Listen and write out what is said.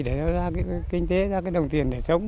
để ra kinh tế ra đồng tiền để sống